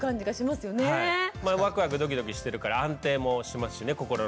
まあワクワクドキドキしてるから安定もしますしね心の方も。